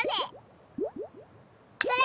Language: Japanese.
それ。